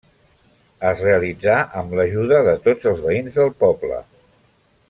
Es realitzà amb l'ajuda de tots els veïns del poble.